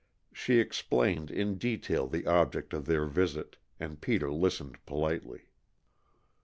She explained, in detail, the object of their visit, and Peter listened politely.